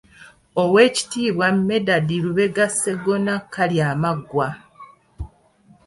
Owekitiibwa Medard Lubega Sseggona Kalyamaggwa.